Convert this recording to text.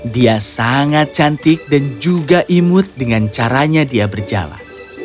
dia sangat cantik dan juga imut dengan caranya dia berjalan